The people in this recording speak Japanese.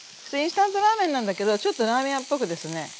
インスタントラーメンなんだけどちょっとラーメン屋っぽくですね